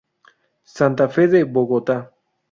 Santa fe de Bogotá.